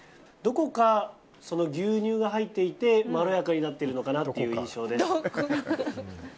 どこか、牛乳が入っていてまろやかになってるのかなという印象です。